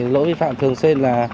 lỗi vi phạm thường xuyên là